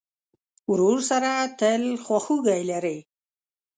ورور سره تل خواخوږی لرې.